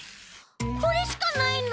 これしかないの？